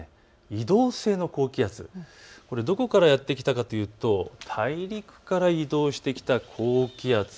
移動性の高気圧、これはどこからやって来たかというと、大陸から移動してきた高気圧。